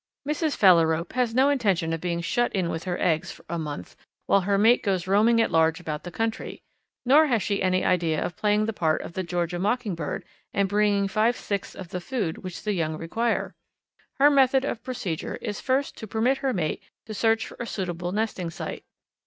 Mrs. Phalarope has no intention of being shut in with her eggs for a month while her mate goes roaming at large about the country, nor has she any idea of playing the part of the Georgia Mockingbird and bringing five sixths of the food which the young require. Her method of procedure is first to permit her mate to search for a suitable nesting site.